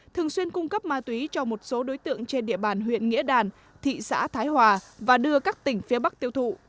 thường xuyên cung cấp ma túy cho một số đối tượng trên địa bàn huyện nghĩa đàn thị xã thái hòa và đưa các tỉnh phía bắc tiêu thụ